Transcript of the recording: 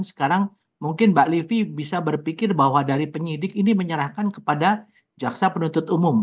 sekarang mungkin mbak livi bisa berpikir bahwa dari penyidik ini menyerahkan kepada jaksa penuntut umum